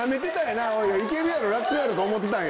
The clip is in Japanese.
いけるやろ楽勝やろと思うてたんや。